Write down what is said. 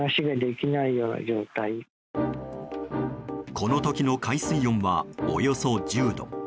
この時の海水温はおよそ１０度。